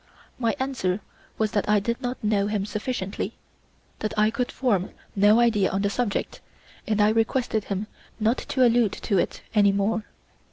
My answer was that I did not know him sufficiently, that I could form no idea on the subject, and I requested him not to allude to it any more.